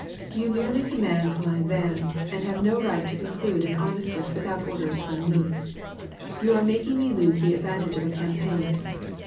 YoQ merely command my van, and have no right to conclude an armistice without orders from me. You are making me lose the advantage of a campaign.